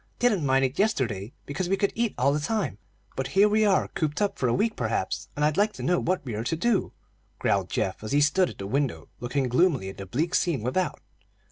Didn't mind it yesterday, because we could eat all the time; but here we are cooped up for a week, perhaps, and I'd like to know what we are to do," growled Geoff, as he stood at the window looking gloomily at the bleak scene without.